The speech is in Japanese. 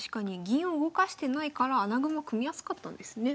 銀を動かしてないから穴熊組みやすかったですね。